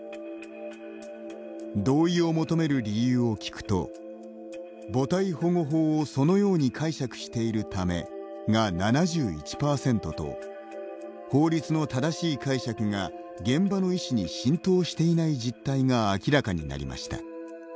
同意を求める理由を聞くと「母体保護法をそのように解釈しているため」が７１％と法律の正しい解釈が現場の医師に浸透していない実態が明らかになりました。